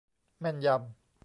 แม่นยำ